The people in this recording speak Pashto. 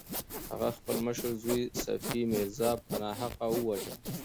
هغه خپل مشر زوی صفي میرزا په ناحقه وواژه.